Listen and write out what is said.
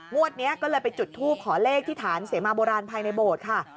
งวดนี้ก็เลยไปจุดทูปขอเลขที่ฐานเสมาโบราณภายในโบสถ์ค่ะ